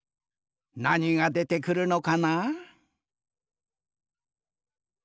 なにがでてくるのかな？